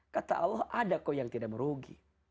kata allah ada kok yang tidak merugi